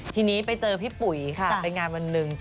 ทีนี้ไปเจอพี่ปุ๋ยค่ะไปงานวันหนึ่ง